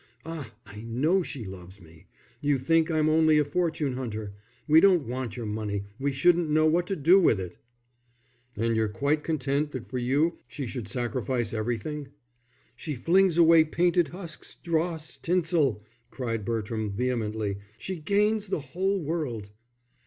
Ah, I know she loves me. You think I'm only a fortune hunter; we don't want your money, we shouldn't know what to do with it." "And you're quite content that for you she should sacrifice everything?" "She flings away painted husks, dross, tinsel," cried Bertram, vehemently. "She gains the whole world."